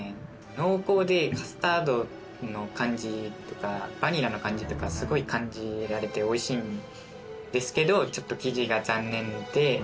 濃厚でカスタードの感じとかバニラの感じとかすごい感じられておいしいんですけどちょっと生地が残念で。